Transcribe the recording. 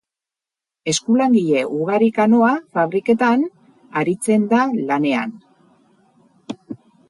Eskulangile ugari kanoa fabriketan aritzen da lanean.